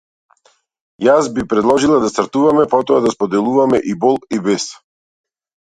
Јас би предложила да стартуваме, потоа да споделуваме и бол и бес.